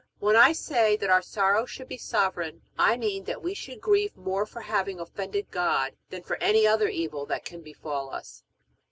When I say that our sorrow should be sovereign, I mean that we should grieve more for having offended God than for any other evil that can befall us.